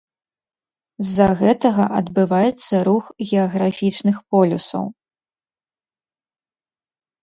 З-за гэтага адбываецца рух геаграфічных полюсаў.